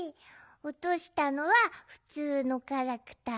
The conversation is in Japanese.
おとしたのはふつうのガラクタ。